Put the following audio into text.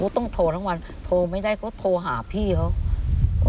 ต้องโทรทั้งวันโทรไม่ได้เขาโทรหาพี่เขา